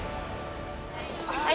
はい！